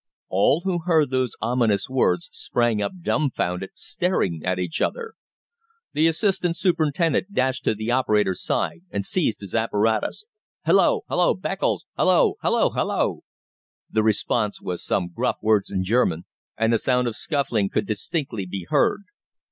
All who heard those ominous words sprang up dumbfounded, staring at each other. The assistant superintendent dashed to the operator's side and seized his apparatus. "Halloa halloa, Beccles! Halloa halloa halloa!" The response was some gruff words in German, and the sound of scuffling could distinctly be heard.